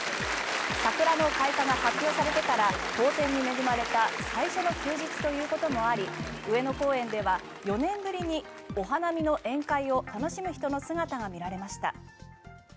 桜の開花が発表されてから好天に恵まれた最初の休日ということもあり上野公園では４年ぶりにお花見の宴会を楽しむ人の姿が見られました。